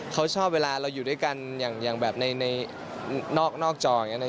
เขาชอบเวลาเราอยู่ด้วยกันอย่างแบบในนอกจออย่างนี้